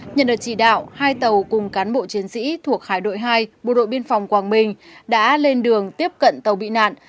nhận được chỉ đạo hai tàu cùng cán bộ chiến sĩ thuộc hải đội hai bộ đội biên phòng quảng bình đã lên đường tiếp cận tàu bị nạn